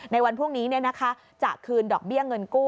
ในวันพรุ่งนี้จะคืนดอกเบี้ยเงินกู้